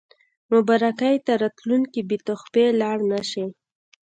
مبارکۍ ته راتلونکي بې تحفې لاړ نه شي.